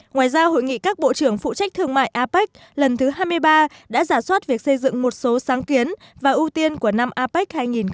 ngoài ra hội nghị các bộ trưởng phụ trách thương mại apec lần thứ hai mươi ba đã giả soát việc xây dựng một số sáng kiến và ưu tiên của năm apec hai nghìn hai mươi